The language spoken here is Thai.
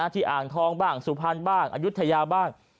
อ่างทองบ้างสุพรรณบ้างอายุทยาบ้าง